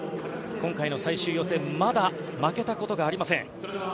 今回の最終予選まだ負けたことがありません。